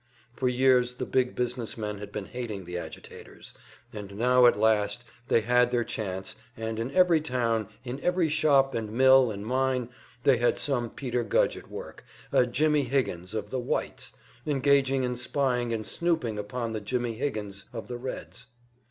For years the big business men had been hating the agitators, and now at last they had their chance, and in every town, in every shop and mill and mine they had some Peter Gudge at work, a "Jimmie Higgins" of the "Whites," engaged in spying and "snooping" upon the "Jimmie Higgins" of the "Reds."